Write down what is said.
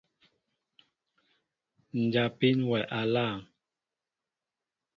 Njapin wɛ aláaŋ.